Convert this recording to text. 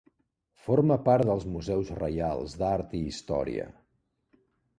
Forma part dels Museus Reials d'Art i Història.